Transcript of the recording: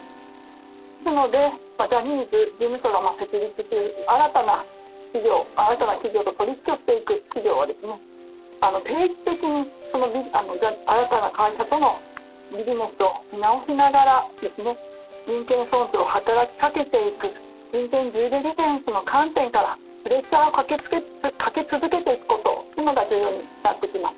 なので、ジャニーズ事務所が設立する新たな企業と取引をしていく企業は定期的に新たな会社とのビジネスを見直しながら、人権尊重を働きかけていく、人権ＤＤの観点からプレッシャーをかけ続けることが重要になっていきます。